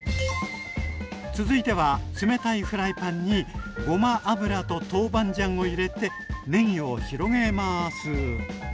続いては冷たいフライパンにごま油と豆板醤を入れてねぎを広げます。